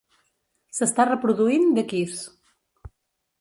S'està reproduint The Kiss